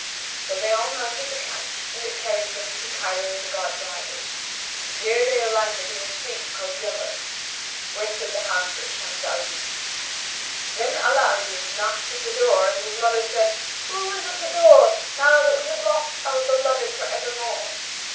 So they all mounted the couch and it carried them to Cairo the God guarded; and here they alighted in the street called Yellow,[FN#128] where stood the house of Shams al Din. Then Ala al Din knocked at the door, and his mother said, "Who is at the door, now that we have lost our beloved for evermore?"